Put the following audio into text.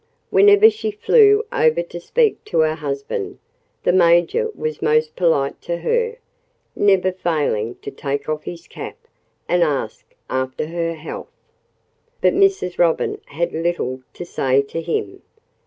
Whenever she flew over to speak to her husband, the Major was most polite to her, never failing to take off his cap and ask after her health. But Mrs. Robin had little to say to him.